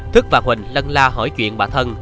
thức và huỳnh lần la hỏi chuyện bà thân